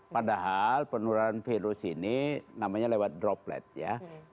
padahal penularan virus ini namanya lewat droplet ya